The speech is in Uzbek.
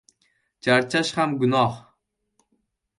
Charchash ham gunoh.